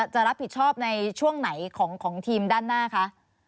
จะรับผิดชอบในช่วงไหนของทีมด้านหน้าคะ